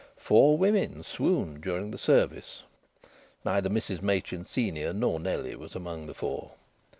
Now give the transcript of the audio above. Four women swooned during the service: neither Mrs Machin, senior, nor Nellie, was among the four.